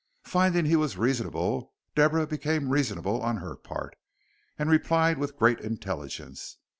Finding he was reasonable, Deborah became reasonable on her part, and replied with great intelligence.